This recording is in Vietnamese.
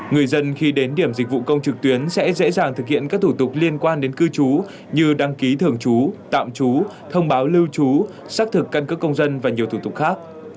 người dân khi đến điểm dịch vụ công trực tuyến sẽ dễ dàng thực hiện các thủ tục liên quan đến cư chú như đăng ký thường chú tạm chú thông báo lưu chú xác thực căn cứ công dân và nhiều thủ tục khác